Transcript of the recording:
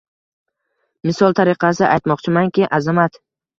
Misol tariqasida aytmoqchimanki, Azamat